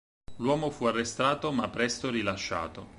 L'uomo fu arrestato ma presto rilasciato.